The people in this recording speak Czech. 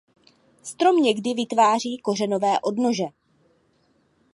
Strom někdy vytváří kořenové odnože.